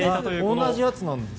同じやつなんです。